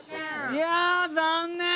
いや残念！